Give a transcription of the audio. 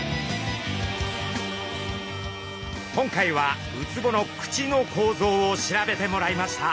今回はウツボの口の構造を調べてもらいました。